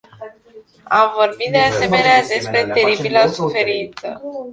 Am vorbit, de asemenea, despre teribila suferință.